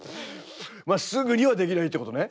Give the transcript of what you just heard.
まあすぐにはできないってことね。